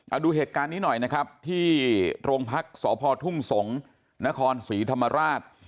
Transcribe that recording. เอาดูเหตุการณ์นี้หน่อยนะครับที่โรงพักษ์สพทุ่งสงศ์นครศรีธรรมราช